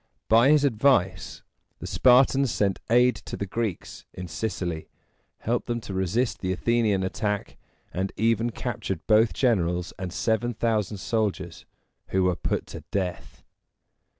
By his advice, the Spartans sent aid to the Greeks in Sicily, helped them to resist the Athenian attack, and even captured both generals and seven thousand soldiers, who were put to death.